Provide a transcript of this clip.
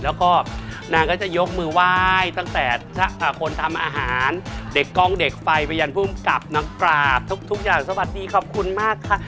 แล้วก็นางก็จะยกมือไหว้ตั้งแต่คนทำอาหารเด็กกล้องเด็กไฟไปยันภูมิกับนางปราบทุกอย่างสวัสดีขอบคุณมากค่ะ